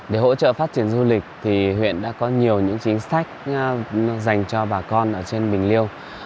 để hỗ trợ phát triển du lịch thì huyện đã có nhiều những chính sách dành cho bà con ở trên bình liêu